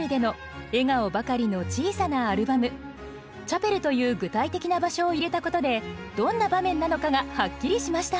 「チャペル」という具体的な場所を入れたことでどんな場面なのかがはっきりしました。